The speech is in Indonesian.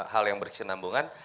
hal yang berkesinambungan